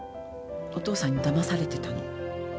お父さんにだまされてたの。